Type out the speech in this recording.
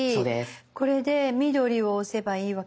これで緑を押せばいいわけですね。